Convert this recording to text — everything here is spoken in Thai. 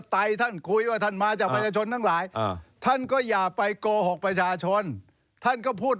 นี่นี่นี่นี่นี่นี่นี่นี่